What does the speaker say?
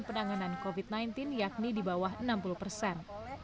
penanganan covid sembilan belas yakni di bawah enam puluh persen